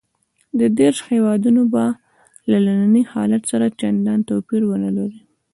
دېرش هېوادونه به له ننني حالت سره چندان توپیر ونه لري.